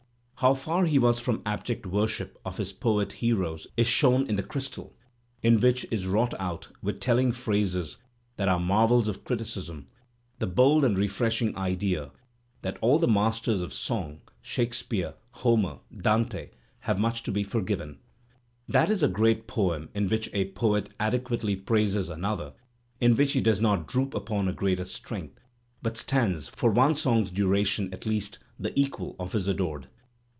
How far he was from abject worship of his poet heroes is Digitized by Google LANIER 321 shown in "The Crystal," in which is wrought out, with telling phrases that are marvels of criticism, the bold and refreshing idea that all the masters of song, Shakespeare, Homer, Dante, have much to be forgiven. That is a great poem in which a poet adequately praises another, in which he does not droop upon a greater strength, but stands, for one song*s duration at least, the equal of his adored.